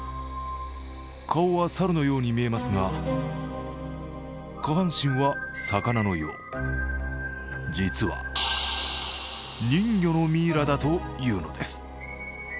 顔は猿のように見えますが下半身は魚のよう実は人魚のミイラだというのです。